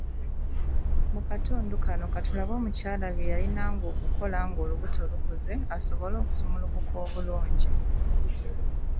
Mu katundu kano katulabe omukyala bye yalinanga okukola ng’olubuto lukuze asobole okusumulukuka obulungi.